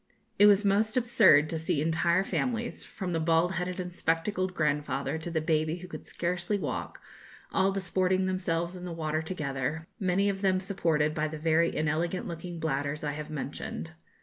It was most absurd to see entire families, from the bald headed and spectacled grandfather to the baby who could scarcely walk, all disporting themselves in the water together, many of them supported by the very inelegant looking bladders I have mentioned.